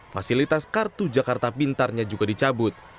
fasilitas kartu jakarta pintarnya juga dicabut